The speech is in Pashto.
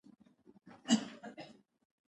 یو سل او دریمه پوښتنه د مامور حقوق دي.